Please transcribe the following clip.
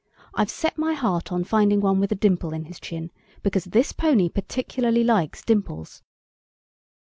I've set my heart on finding one with a dimple in his chin, because this pony particularly likes dimples!